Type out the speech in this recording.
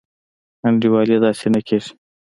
انډيوالي داسي نه کيږي.